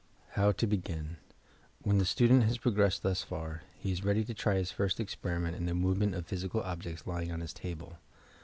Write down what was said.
HOW TO BEGIN When the student has progressed thus far, he is ready to try his first experiment in the movement of physical objects lying on his table.